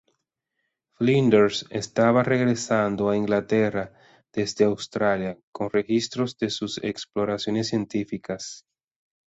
Flinders estaba regresando a Inglaterra desde Australia con registros de sus exploraciones científicas.